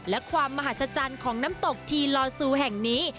และความมหัศจรรย์ของน้ำตกทีลอซูแห่งนี้